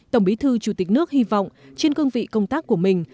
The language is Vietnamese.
tổng bí thư chủ tịch nước hy vọng trên cương vị công tác của mình